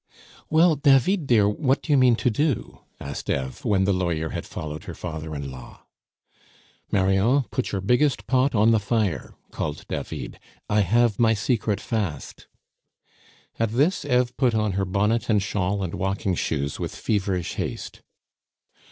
"Well, David dear, what do you mean to do?" asked Eve, when the lawyer had followed her father in law. "Marion, put your biggest pot on the fire!" called David; "I have my secret fast." At this Eve put on her bonnet and shawl and walking shoes with feverish haste.